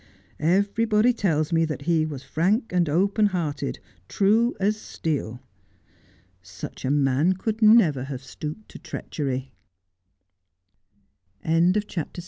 Everybody tells me that he was frank and open hearted, true as steel. Such a man could never have stooped to treachery ! 104 Just as I Am.